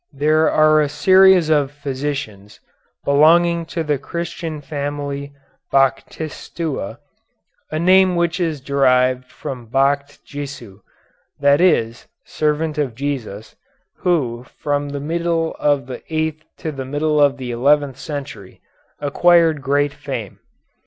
There are a series of physicians belonging to the Christian family Bachtischua, a name which is derived from Bocht Jesu, that is, servant of Jesus, who, from the middle of the eighth to the middle of the eleventh century, acquired great fame.